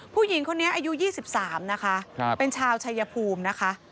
ผู้หญิงคนนี้อายุ๒๓นะคะเป็นชาวชายภูมินะคะ